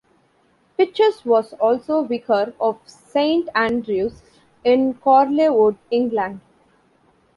Pytches was also vicar of Saint Andrew's, in Chorleywood England.